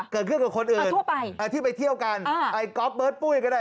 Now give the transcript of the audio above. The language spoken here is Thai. ค่ะทั่วไปที่ไปเที่ยวกันไอ้กอล์ฟเบิร์ตปุ้ยก็ได้